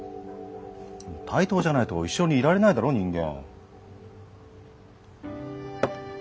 対等じゃないと一緒にいられないだろ人間。